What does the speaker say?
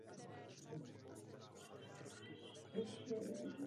Následujícího roku cestovala po severu Evropy.